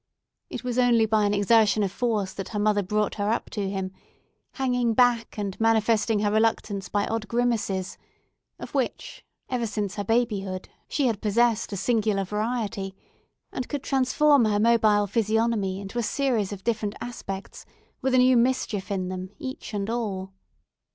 It was only by an exertion of force that her mother brought her up to him, hanging back, and manifesting her reluctance by odd grimaces; of which, ever since her babyhood, she had possessed a singular variety, and could transform her mobile physiognomy into a series of different aspects, with a new mischief in them, each and all.